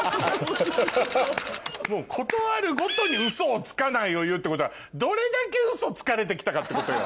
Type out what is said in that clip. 事あるごとにウソをつかないを言うってことはどれだけウソつかれて来たかってことよ。